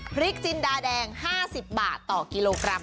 พริกจินดาแดง๕๐บาทต่อกิโลกรัม